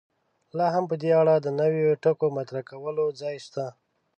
لا هم په دې اړه د نویو ټکو مطرح کولو ځای شته.